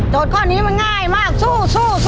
โจทย์ข้อนี้มันง่ายมากสู้